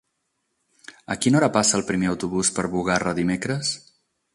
A quina hora passa el primer autobús per Bugarra dimecres?